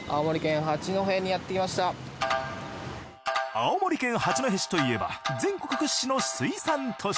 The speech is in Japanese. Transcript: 青森県八戸市といえば全国屈指の水産都市。